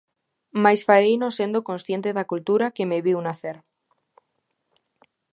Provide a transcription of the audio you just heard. Mais fareino sendo consciente da cultura que me viu nacer.